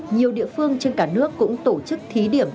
nhiều địa phương trên cả nước cũng tổ chức thí điểm